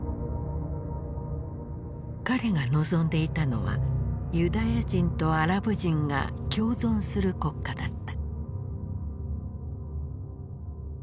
彼が望んでいたのはユダヤ人とアラブ人が共存する国家だった。